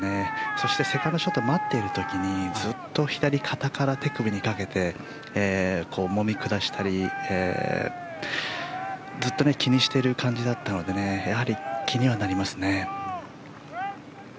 そして、セカンドショット待っている時にずっと左肩から手首にかけてもみ下したりずっと気にしてる感じだったのでやはり気にはなりますね。